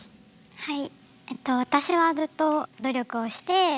はい。